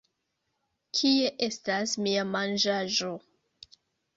Kie estas mia manĝaĵo!